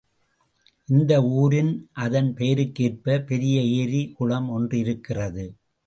இந்த ஊரில் அதன் பெயருக்கேற்ப பெரிய ஏரி குளம் ஒன்றிருக்கிறது.